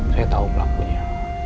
saya tahu pelakunya